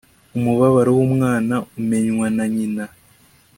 umubabaro w'umwana umenywa na nyina